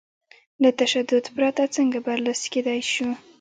له تشدد پرته څنګه برلاسي کېدای شو؟